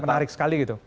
menarik sekali gitu